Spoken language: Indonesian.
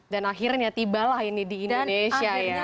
dan akhirnya tiba lah ini di indonesia ya